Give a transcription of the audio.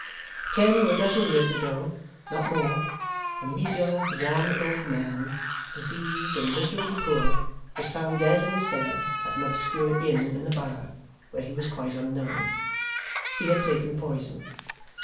Ten or a dozen years ago not more a meagre, wan old man, diseased and miserably poor, was found dead in his bed at an obscure inn in the Borough, where he was quite unknown. He had taken poison.